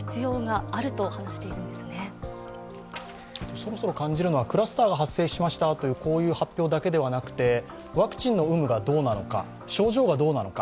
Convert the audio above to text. そろそろ感じるのはクラスターが発生しましたという発表だけではなくてワクチンの有無がどうなのか症状がどうなのか